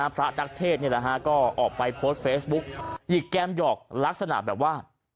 พระนักเทศก็ออกไปโพสต์เฟซบุ๊กหยิกแก้มหยอกลักษณะแบบว่า